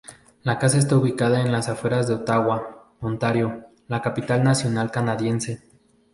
La casa está ubicada en las afueras de Ottawa, Ontario, la capital nacional canadiense.